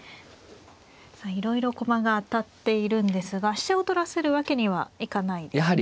いろいろ駒が当たっているんですが飛車を取らせるわけにはいかないですね。